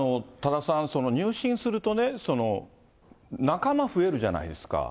多田さん、入信するとね、仲間、増えるじゃないですか。